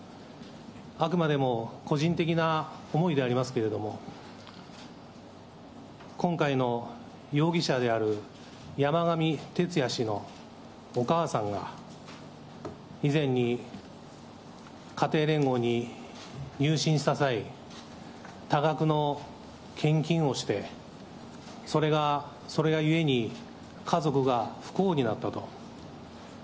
あくまでも個人的な思いでありますけれども、今回の容疑者である山上徹也氏のお母さんが、以前に家庭連合に入信した際、多額の献金をして、それがゆえに家族が不幸になったと。